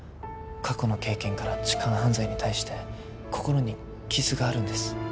過去の経験から痴漢犯罪に対して心に傷があるんです